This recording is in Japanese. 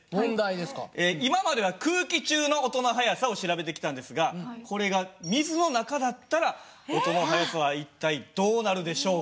今までは空気中の音の速さを調べてきたんですがこれが水の中だったら音の速さは一体どうなるでしょうか？